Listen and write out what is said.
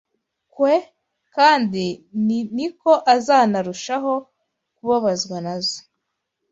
kwe kandi ni ko azanarushaho kubabazwa na zo